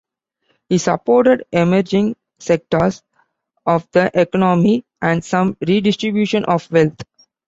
He supported emerging sectors of the economy and some redistribution of wealth.